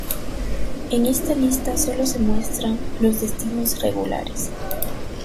En esta lista solo se muestran los destinos regulares.